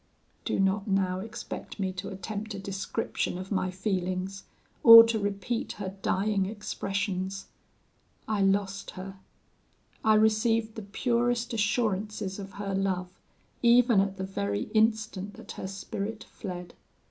"Do not now expect me to attempt a description of my feelings, or to repeat her dying expressions. I lost her I received the purest assurances of her love even at the very instant that her spirit fled.